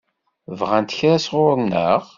Bɣant kra sɣur-neɣ?